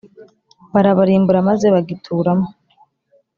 barabarimbura maze bagituramo